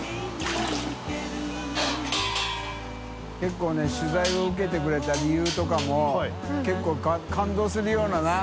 觜修取材を受けてくれた理由とかも觜感動するようななぁ？